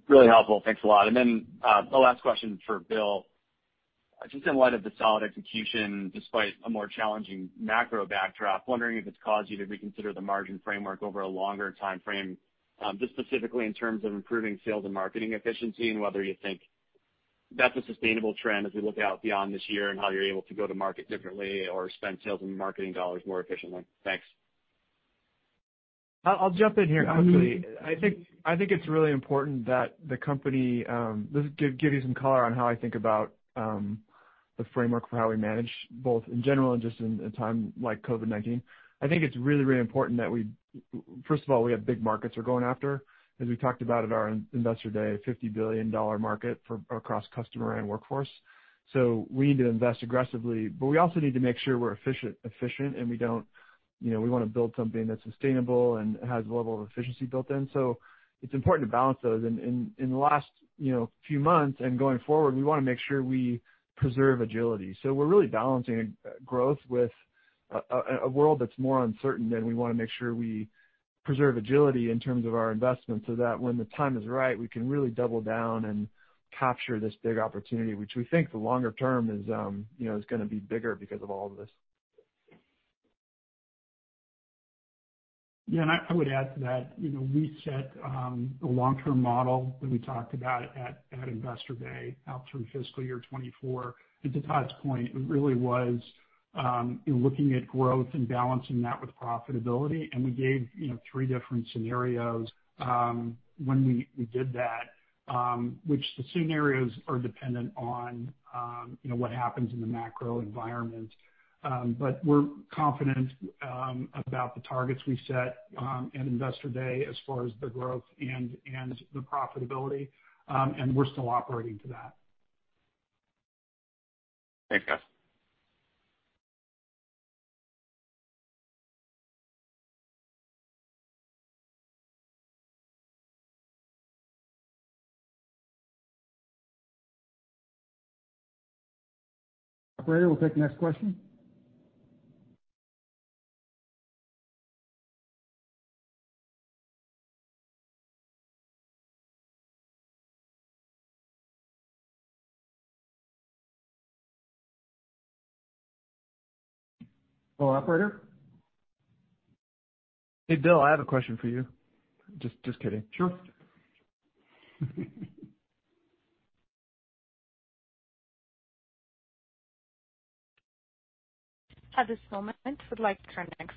Really helpful. Thanks a lot. Then the last question is for Bill. Just in light of the solid execution, despite a more challenging macro backdrop, wondering if it's caused you to reconsider the margin framework over a longer timeframe, just specifically in terms of improving sales and marketing efficiency and whether you think that's a sustainable trend as we look out beyond this year and how you're able to go to market differently or spend sales and marketing dollars more efficiently? Thanks. I'll jump in here, actually. I think it's really important that the company give you some color on how I think about the framework for how we manage, both in general and just in a time like COVID-19. I think it's really important that we, first of all, we have big markets we're going after, as we talked about at our Investor Day, a $50 billion market across customer and workforce. We need to invest aggressively, but we also need to make sure we're efficient, and we want to build something that's sustainable and has a level of efficiency built in. It's important to balance those. In the last few months and going forward, we want to make sure we preserve agility. We're really balancing growth with a world that's more uncertain, and we want to make sure we preserve agility in terms of our investment so that when the time is right, we can really double down and capture this big opportunity, which we think the longer term is going to be bigger because of all of this. I would add to that. We set a long-term model that we talked about at Investor Day out through fiscal year 2024. To Todd's point, it really was looking at growth and balancing that with profitability, and we gave three different scenarios when we did that, which the scenarios are dependent on what happens in the macro environment. We're confident about the targets we set at Investor Day as far as the growth and the profitability, and we're still operating to that. Thanks, guys. Operator, we'll take the next question. Hello, operator? Hey, Bill, I have a question for you. Just kidding. Sure. At this moment, I would like to turn next.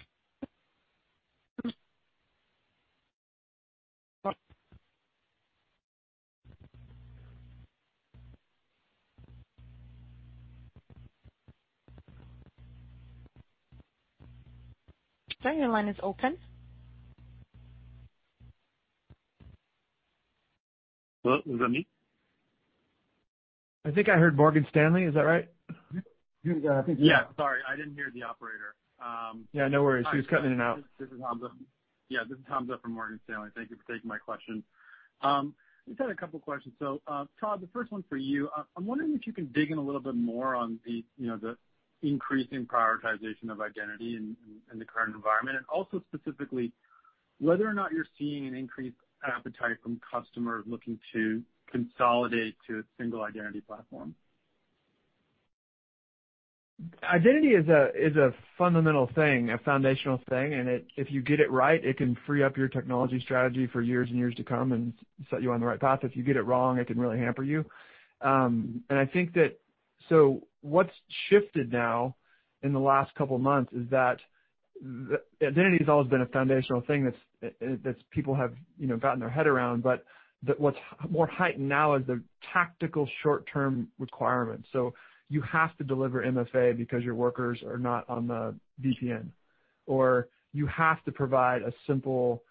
Sir, your line is open. Hello, is that me? I think I heard Morgan Stanley. Is that right? I think, yeah. Yeah, sorry, I didn't hear the operator. Yeah, no worries. He was cutting in and out. This is Hamza. Yeah, this is Hamza from Morgan Stanley. Thank you for taking my question. Just had a couple questions. Todd, the first one's for you. I'm wondering if you can dig in a little bit more on the increasing prioritization of identity in the current environment, and also specifically whether or not you're seeing an increased appetite from customers looking to consolidate to a single identity platform. Identity is a fundamental thing, a foundational thing, and if you get it right, it can free up your technology strategy for years and years to come and set you on the right path. If you get it wrong, it can really hamper you. What's shifted now in the last couple months is that identity has always been a foundational thing that people have gotten their head around. What's more heightened now is the tactical short-term requirements. You have to deliver MFA because your workers are not on the VPN, or you have to provide a simple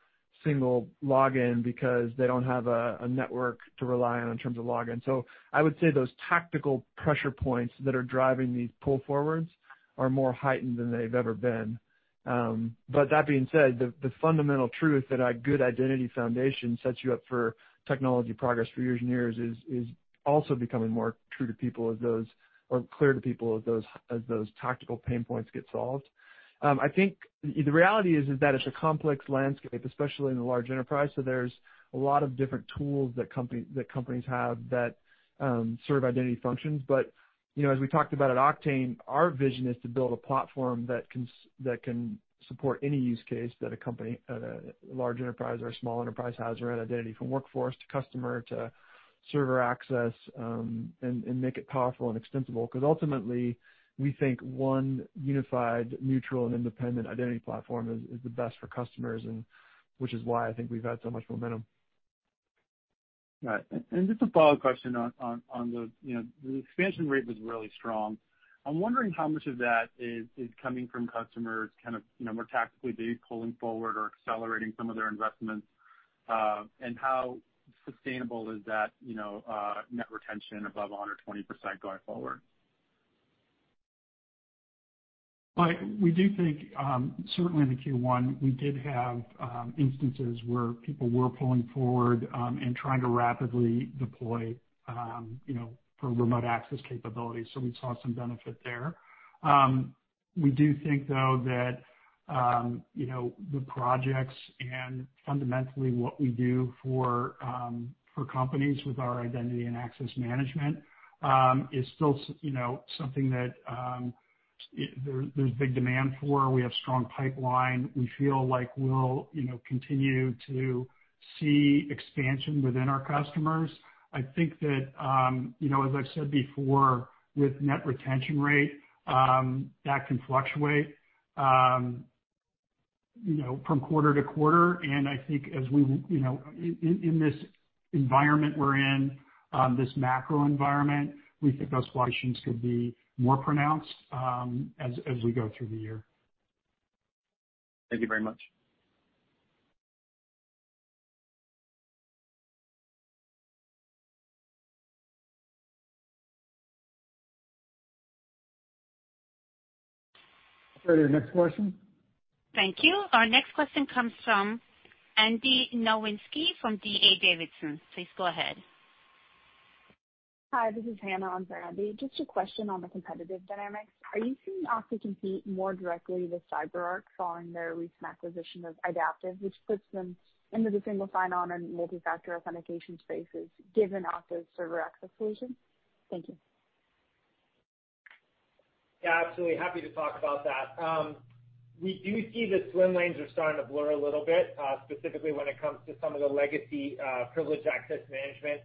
single login because they don't have a network to rely on in terms of login. I would say those tactical pressure points that are driving these pull forwards are more heightened than they've ever been. That being said, the fundamental truth that a good identity foundation sets you up for technology progress for years and years is also becoming more true to people or clear to people as those tactical pain points get solved. I think the reality is that it's a complex landscape, especially in the large enterprise, so there's a lot of different tools that companies have that serve identity functions. As we talked about at Oktane, our vision is to build a platform that can support any use case that a company, a large enterprise or a small enterprise has around identity, from workforce to customer to server access, and make it powerful and extensible. Ultimately, we think one unified, neutral, and independent identity platform is the best for customers, and which is why I think we've had so much momentum. Right. Just a follow-up question on the expansion rate was really strong. I'm wondering how much of that is coming from customers more tactically, be it pulling forward or accelerating some of their investments, and how sustainable is that net retention above 120% going forward? Well, we do think, certainly in the Q1, we did have instances where people were pulling forward and trying to rapidly deploy for remote access capabilities. We saw some benefit there. We do think, though, that the projects and fundamentally what we do for companies with our identity and access management is still something that there's big demand for. We have strong pipeline. We feel like we'll continue to see expansion within our customers. I think that, as I've said before with net retention rate, that can fluctuate from quarter to quarter. I think in this environment we're in, this macro environment, we think those fluctuations could be more pronounced as we go through the year. Thank you very much. Operator, next question. Thank you. Our next question comes from Andy Nowinski from D.A. Davidson. Please go ahead. Hi, this is Hannah on for Andy Just a question on the competitive dynamics. Are you seeing Okta compete more directly with CyberArk following their recent acquisition of Idaptive, which puts them into the Single Sign-On and Multi-Factor Authentication spaces given Okta's server access solution? Thank you. Yeah, absolutely. Happy to talk about that. We do see the swim lanes are starting to blur a little bit, specifically when it comes to some of the legacy privileged access management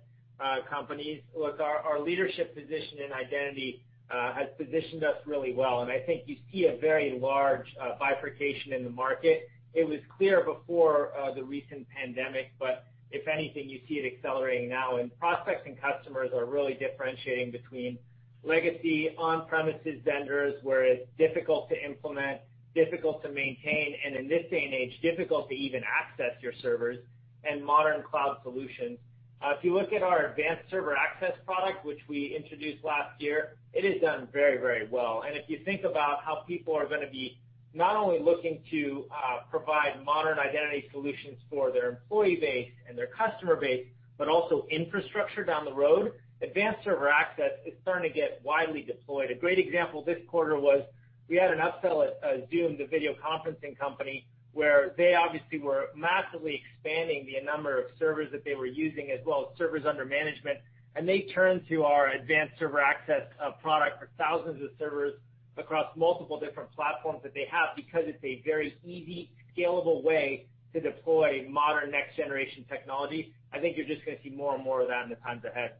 companies. Look, our leadership position in identity has positioned us really well, and I think you see a very large bifurcation in the market. It was clear before the recent pandemic, but if anything, you see it accelerating now, and prospects and customers are really differentiating between legacy on-premises vendors, where it's difficult to implement, difficult to maintain, and in this day and age, difficult to even access your servers, and modern cloud solutions. If you look at our Advanced Server Access product, which we introduced last year, it has done very, very well. If you think about how people are going to be not only looking to provide modern identity solutions for their employee base and their customer base, but also infrastructure down the road, Advanced Server Access is starting to get widely deployed. A great example this quarter was we had an upsell at Zoom, the video conferencing company, where they obviously were massively expanding the number of servers that they were using, as well as servers under management. They turned to our Advanced Server Access product for thousands of servers across multiple different platforms that they have because it's a very easy, scalable way to deploy modern next generation technology. I think you're just going to see more and more of that in the times ahead.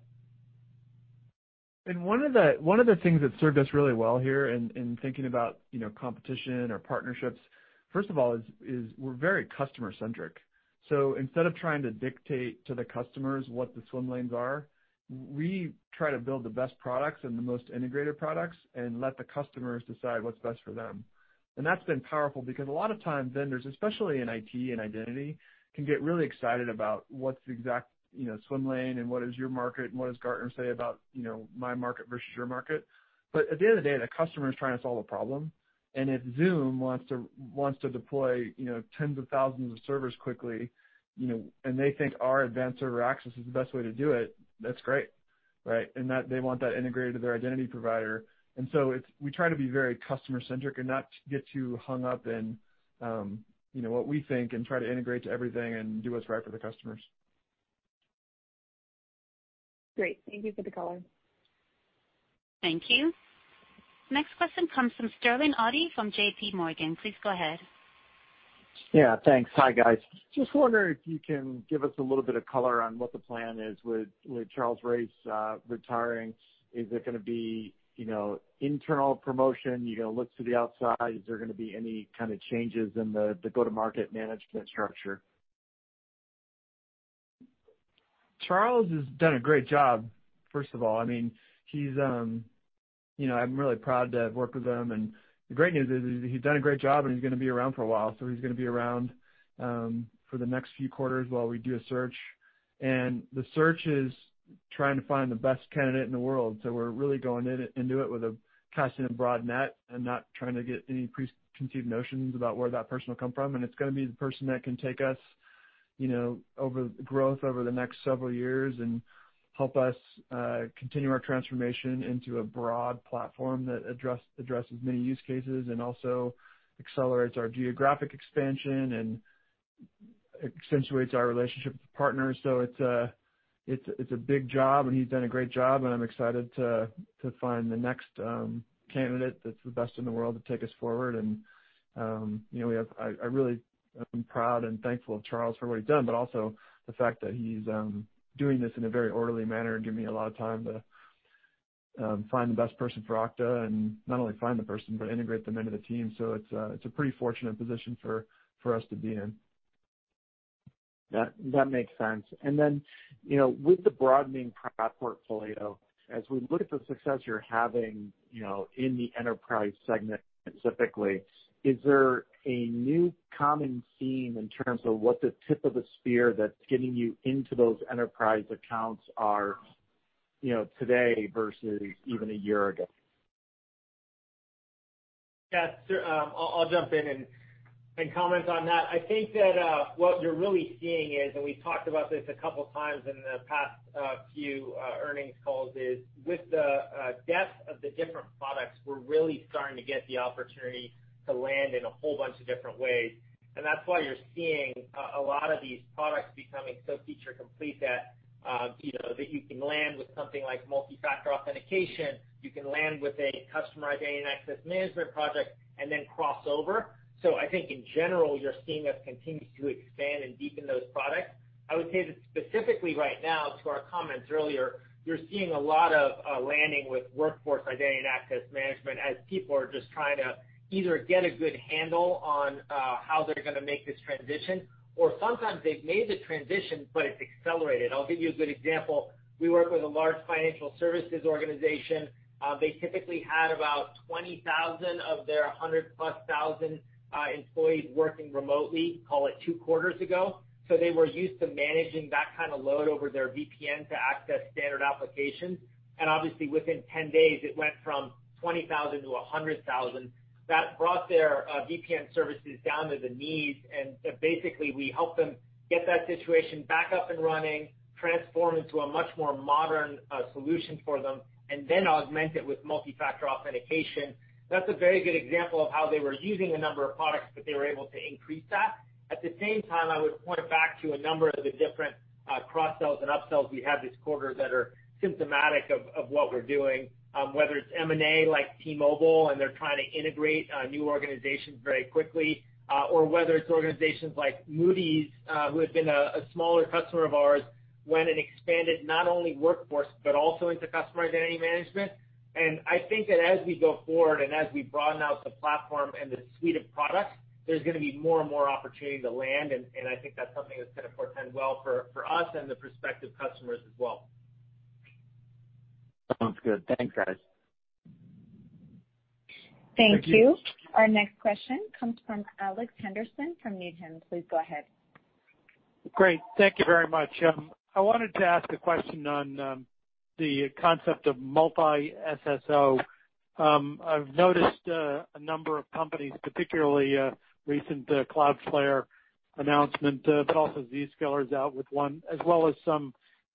One of the things that served us really well here in thinking about competition or partnerships, first of all, is we're very customer centric. Instead of trying to dictate to the customers what the swim lanes are, we try to build the best products and the most integrated products and let the customers decide what's best for them. That's been powerful because a lot of times vendors, especially in IT and identity, can get really excited about what's the exact swim lane and what is your market, and what does Gartner say about my market versus your market. At the end of the day, the customer is trying to solve a problem, and if Zoom wants to deploy tens of thousands of servers quickly, and they think our Advanced Server Access is the best way to do it, that's great. Right? They want that integrated to their identity provider. We try to be very customer-centric and not get too hung up in what we think and try to integrate to everything and do what's right for the customers. Great. Thank you for the color. Thank you. Next question comes from Sterling Auty from JP Morgan. Please go ahead. Yeah, thanks. Hi, guys. Just wondering if you can give us a little bit of color on what the plan is with Charles Race retiring. Is it going to be internal promotion? You going to look to the outside? Is there going to be any kind of changes in the go-to-market management structure? Charles has done a great job, first of all. I'm really proud to have worked with him, and the great news is he's done a great job, and he's going to be around for a while. He's going to be around for the next few quarters while we do a search. The search is trying to find the best candidate in the world. We're really going into it with a casting a broad net and not trying to get any preconceived notions about where that person will come from. It's going to be the person that can take us over growth over the next several years and help us continue our transformation into a broad platform that addresses many use cases and also accelerates our geographic expansion and accentuates our relationship with partners. It's a big job, and he's done a great job, and I'm excited to find the next candidate that's the best in the world to take us forward. I really am proud and thankful of Charles for what he's done, but also the fact that he's doing this in a very orderly manner and giving me a lot of time to find the best person for Okta, and not only find the person, but integrate them into the team. It's a pretty fortunate position for us to be in. That makes sense. With the broadening product portfolio, as we look at the success you're having in the enterprise segment specifically, is there a new common theme in terms of what the tip of the spear that's getting you into those enterprise accounts are today versus even a year ago? Yes. I'll jump in and comment on that. I think that what you're really seeing is, and we've talked about this a couple of times in the past few earnings calls, is with the depth of the different products, we're really starting to get the opportunity to land in a whole bunch of different ways. That's why you're seeing a lot of these products becoming so feature complete that you can land with something like Multi-Factor Authentication, you can land with a customer identity and access management project, and then cross over. I think in general, you're seeing us continue to expand and deepen those products. I would say that specifically right now, to our comments earlier, we're seeing a lot of landing with workforce identity and access management as people are just trying to either get a good handle on how they're going to make this transition, or sometimes they've made the transition, but it's accelerated. I'll give you a good example. We work with a large financial services organization. They typically had about 20,000 of their 100,000+ employees working remotely, call it two quarters ago. They were used to managing that kind of load over their VPN to access standard applications. Obviously, within 10 days, it went from 20,000 -100,000. That brought their VPN services down to the knees, and basically, we helped them get that situation back up and running, transform into a much more modern solution for them, and then augment it with Multi-Factor Authentication. That's a very good example of how they were using a number of products, but they were able to increase that. At the same time, I would point back to a number of the different cross-sells and upsells we had this quarter that are symptomatic of what we're doing, whether it's M&A like T-Mobile, and they're trying to integrate new organizations very quickly, or whether it's organizations like Moody's, who has been a smaller customer of ours, went and expanded not only workforce, but also into customer identity management. I think that as we go forward and as we broaden out the platform and the suite of products, there's going to be more and more opportunity to land, and I think that's something that's going to portend well for us and the prospective customers as well. Sounds good. Thanks, guys. Thank you. Our next question comes from Alex Henderson from Needham. Please go ahead. Great. Thank you very much. I wanted to ask a question on the concept of multi-SSO. I've noticed a number of companies, particularly recent Cloudflare announcement, also Zscaler is out with one, as well as some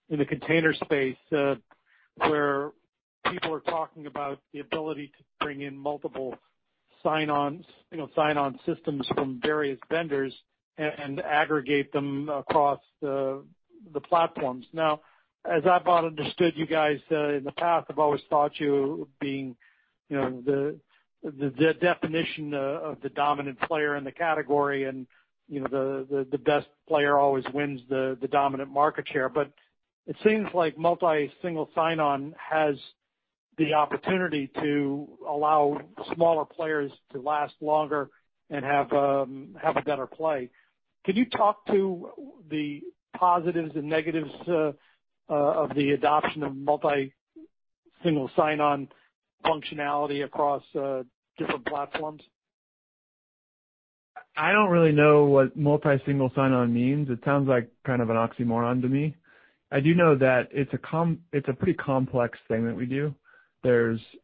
in the container space, where people are talking about the ability to bring in multiple Single Sign-On systems from various vendors and aggregate them across the platforms. As I've understood you guys in the past, I've always thought you being the definition of the dominant player in the category and the best player always wins the dominant market share. It seems like multi Single Sign-On has the opportunity to allow smaller players to last longer and have a better play. Can you talk to the positives and negatives of the adoption of multi Single Sign-On functionality across different platforms? I don't really know what multi Single Sign-On means. It sounds like kind of an oxymoron to me. I do know that it's a pretty complex thing that we do.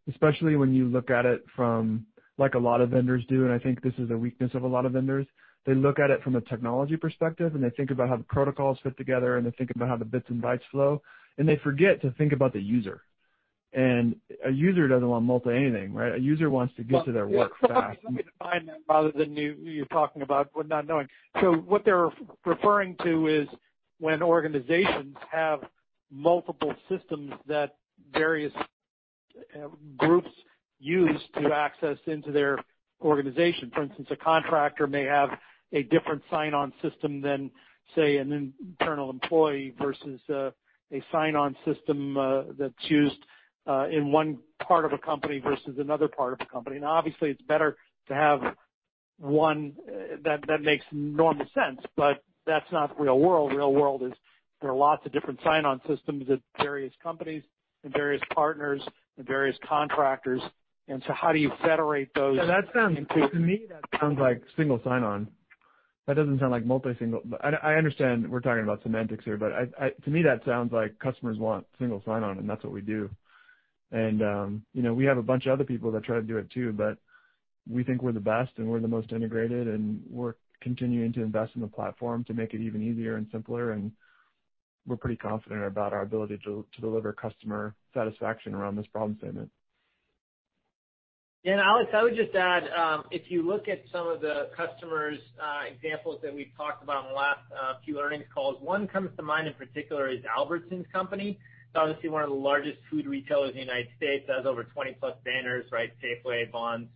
Especially when you look at it from like a lot of vendors do, and I think this is a weakness of a lot of vendors. They look at it from a technology perspective, and they think about how the protocols fit together, and they think about how the bits and bytes flow, and they forget to think about the user. A user doesn't want multi anything, right? A user wants to get to their work fast. Well, yeah. Let me define that, rather than you talking about but not knowing. What they're referring to is when organizations have multiple systems that various groups use to access into their organization. For instance, a contractor may have a different sign-on system than, say, an internal employee versus a sign-on system that's used in one part of a company versus another part of a company. Obviously, it's better to have one that makes normal sense, but that's not real-world. Real-world is there are lots of different sign-on systems at various companies and various partners and various contractors, and so how do you federate those into- To me, that sounds like Single Sign-On. That doesn't sound like multi single. I understand we're talking about semantics here, but to me, that sounds like customers want Single Sign-On, and that's what we do. We have a bunch of other people that try to do it too, but we think we're the best and we're the most integrated, and we're continuing to invest in the platform to make it even easier and simpler, and we're pretty confident about our ability to deliver customer satisfaction around this problem statement. Alex, I would just add, if you look at some of the customers' examples that we've talked about in the last few earnings calls, one comes to mind in particular is Albertsons Companies. It's obviously one of the largest food retailers in the U.S., has over 20+ banners, Safeway, Vons,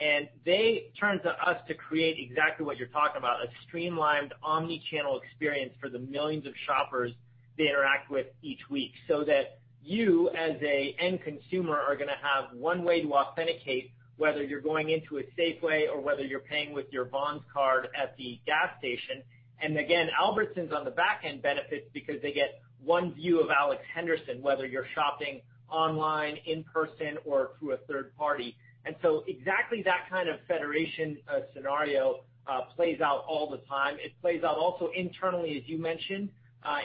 Jewel-Osco. They turned to us to create exactly what you're talking about, a streamlined omni-channel experience for the millions of shoppers they interact with each week, so that you, as an end consumer, are going to have one way to authenticate, whether you're going into a Safeway or whether you're paying with your Vons card at the gas station. Again, Albertsons Companies on the back end benefits because they get one view of Alex Henderson, whether you're shopping online, in person, or through a third party. Exactly that kind of federation scenario plays out all the time. It plays out also internally, as you mentioned,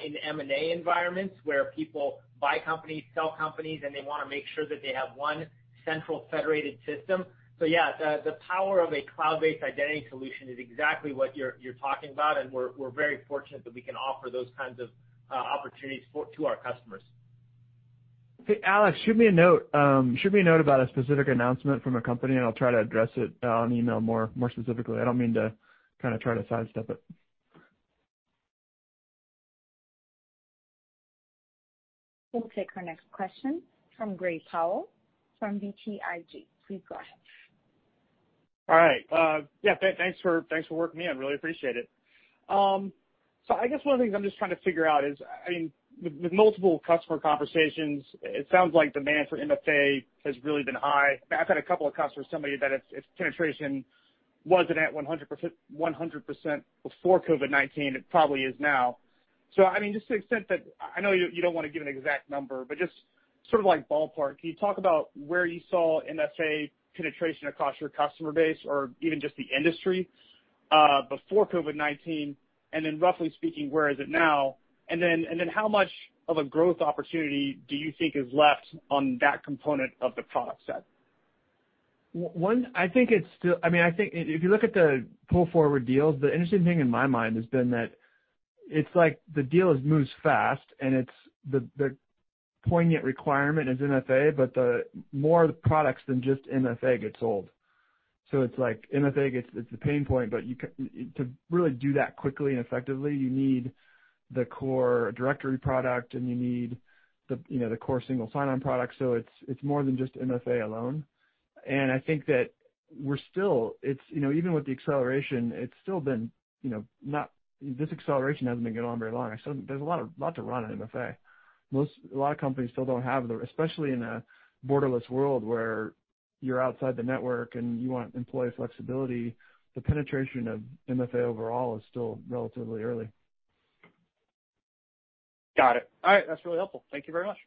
in M&A environments where people buy companies, sell companies, and they want to make sure that they have one central federated system. Yeah, the power of a cloud-based identity solution is exactly what you're talking about, and we're very fortunate that we can offer those kinds of opportunities to our customers. Hey, Alex, shoot me a note about a specific announcement from a company, and I'll try to address it on email more specifically. I don't mean to try to sidestep it. We'll take our next question from Gray Powell from BTIG. Please go ahead. All right. Yeah, thanks for working me in. Really appreciate it. I guess one of the things I'm just trying to figure out is, with multiple customer conversations, it sounds like demand for MFA has really been high. I've had a couple of customers tell me that if penetration wasn't at 100% before COVID-19, it probably is now. Just to the extent that I know you don't want to give an exact number, but just sort of like ballpark, can you talk about where you saw MFA penetration across your customer base or even just the industry, before COVID-19, and then roughly speaking, where is it now? How much of a growth opportunity do you think is left on that component of the product set? If you look at the pull forward deals, the interesting thing in my mind has been that it's like the deal moves fast, the poignant requirement is MFA, more products than just MFA get sold. It's like MFA, it's the pain point, to really do that quickly and effectively, you need the core directory product and you need the core Single Sign-On product. It's more than just MFA alone. I think that even with the acceleration, this acceleration hasn't been going on very long. There's a lot to run in MFA. Especially in a borderless world where you're outside the network and you want employee flexibility, the penetration of MFA overall is still relatively early. Got it. All right. That's really helpful. Thank you very much.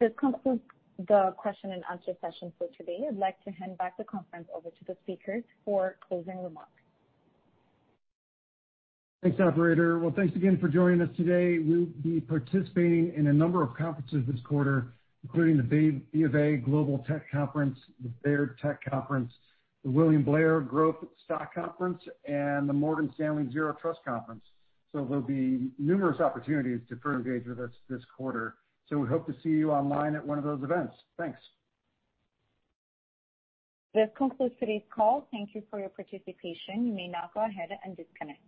This concludes the question and answer session for today. I'd like to hand back the conference over to the speakers for closing remarks. Thanks, operator. Well, thanks again for joining us today. We'll be participating in a number of conferences this quarter, including the BofA Global Technology Conference, the Baird Tech Conference, the William Blair Growth Stock Conference, and the Morgan Stanley Zero Trust Conference. There'll be numerous opportunities to further engage with us this quarter. We hope to see you online at one of those events. Thanks. This concludes today's call. Thank you for your participation. You may now go ahead and disconnect.